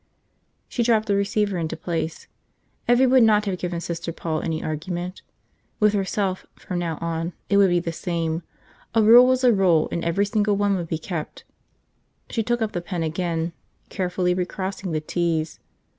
She dropped the receiver into place. Evvie would not have given Sister Paul any argument. With herself, from now on, it would be the same. A rule was a rule and every single one would be kept. She took up the pen again, carefully recrossing the t's.